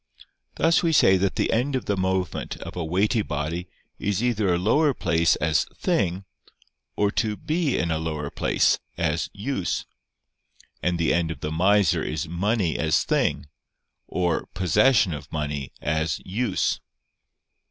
Thus we say that the end of the movement of a weighty body is either a lower place as "thing," or to be in a lower place, as "use"; and the end of the miser is money as "thing," or possession of money as "use."